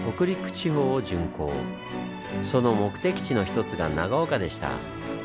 その目的地の一つが長岡でした。